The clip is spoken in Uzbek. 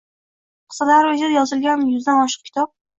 Qisqa davr ichida yozilgan yuzdan oshiq kitob